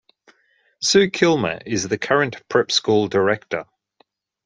Sue Kilmer is the current prep school director.